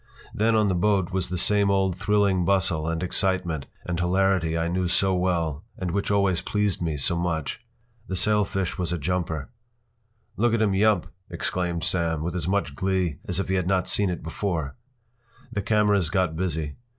Then on the boat was the same old thrilling bustle and excitement and hilarity I knew so well and which always pleased me so much. This sailfish was a jumper. “Look at him yump!” exclaimed Sam, with as much glee as if he had not seen it before. The cameras got busy.